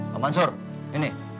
pak mansur ini